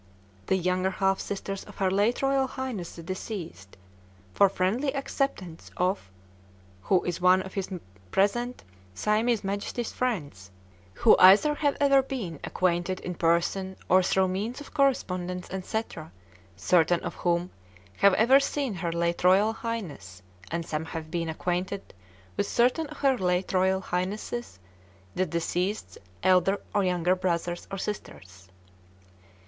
the younger half sisters of Her late Royal Highness the deceased, for friendly acceptance of who is one of His present Siamese Majesty's friends who either have ever been acquainted in person or through means of correspondence &c. certain of whom have ever seen Her late Royal Highness, and some have been acquainted with certain of her late Royal Highness the deceased's elder or younger brothers and sisters.